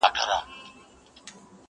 o د پادوان پر خپله غوا نظر وي٫